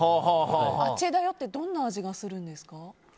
アチェガヨってどんな味がするんですか？